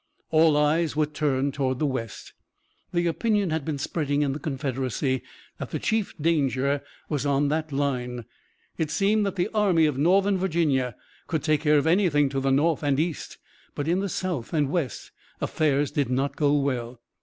All eyes were turned toward the West. The opinion had been spreading in the Confederacy that the chief danger was on that line. It seemed that the Army of Northern Virginia could take care of anything to the north and east, but in the south and west affairs did not go well.